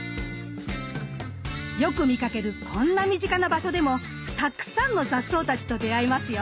よく見かけるこんな身近な場所でもたくさんの雑草たちと出会えますよ。